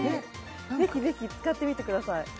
ぜひぜひ使ってみてください